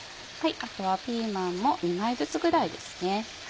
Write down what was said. あとはピーマンも２枚ずつぐらいですね。